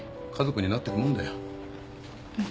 うん。